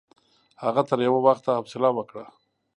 هغه تر یوه وخته حوصله وکړه.